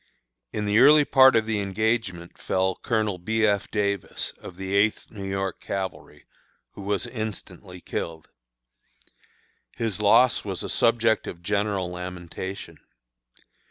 In the early part of the engagement fell Colonel B. F. Davis, of the Eighth New York Cavalry, who was instantly killed. His loss was a subject of general lamentation.